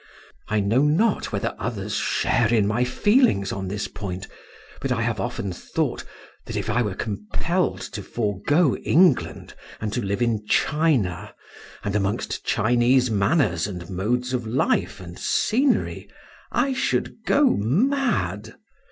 I know not whether others share in my feelings on this point; but I have often thought that if I were compelled to forego England, and to live in China, and among Chinese manners and modes of life and scenery, I should go mad.